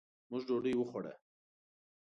موږ ډوډۍ وخوړه.